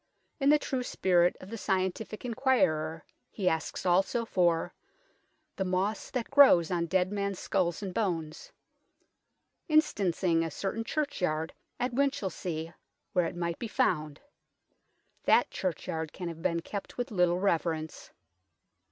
In the true spirit of the scientific enquirer he asks also for " the moss that grows on dead men's sculls and bones," instancing a certain churchyard at Winchilsea where it might be found. That churchyard can have been kept with little reverence.